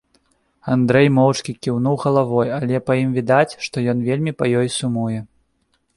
Андрэй моўчкі кіўнуў галавой, але па ім відаць, што ён вельмі па ёй сумуе.